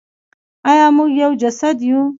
آیا موږ یو جسد یو؟